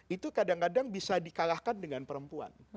itu kadang kadang bisa di kalahkan dengan perempuan